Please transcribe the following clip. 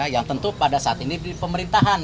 yang tentu pada saat ini di pemerintahan